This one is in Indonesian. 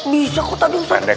bisa kok tadi ustad